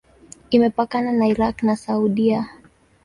Imepakana na Irak na Saudia.